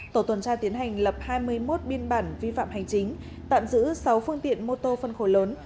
tổ tuần tra tiến hành lập hai mươi một biên bản vi phạm hành chính tạm giữ sáu phương tiện mô tô phân khối lớn